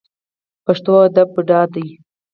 پښتو ادب بډای دی